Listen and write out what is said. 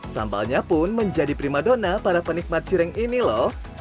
sambalnya pun menjadi prima dona para penikmat cireng ini loh